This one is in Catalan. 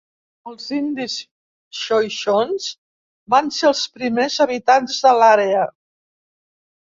Els indis xoixons van ser els primers habitants de l'àrea.